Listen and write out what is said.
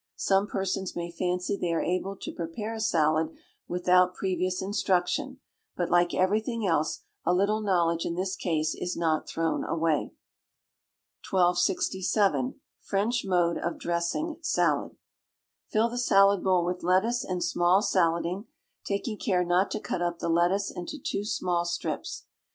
Some persons may fancy they are able to prepare a salad without previous instruction, but, like everything else, a little knowledge in this case is not thrown away. 1267. French Mode of Dressing Salad. Fill the salad bowl with lettuce and small salading, taking care not to cut up the lettuce into too small strips.